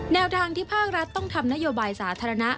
แนวทางที่ภาครัฐต้องทำนโยบายสาธารณะ